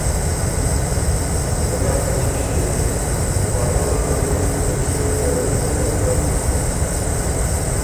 که دۀ لاسته چِګ ݭيېن۔ وارث ال غوېکِن که ”کيې ډرک هې که څۀ؟“